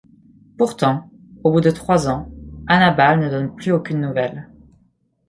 Pourtant, au bout de trois ans, Anna Ball ne donne plus aucune nouvelle.